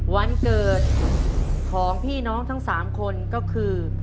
วันเกิดของพี่น้องทั้ง๓คนก็คือ